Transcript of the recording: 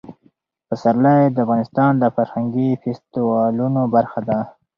پسرلی د افغانستان د فرهنګي فستیوالونو برخه ده.